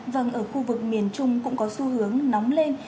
vâng ở khu vực miền trung cũng có xu hướng nóng lên